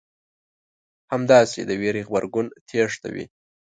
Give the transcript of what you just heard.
همداسې د وېرې غبرګون تېښته وي.